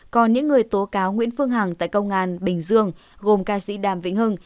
còn những người tố cáo nguyễn phương hằng tại công an bình dương gồm ca sĩ đàm vĩnh hưng